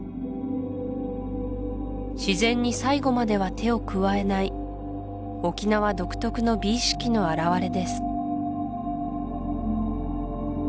自然に最後までは手を加えない沖縄独特の美意識の表れです